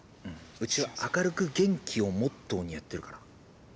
うちは「明るく元気」をモットーにやってるから。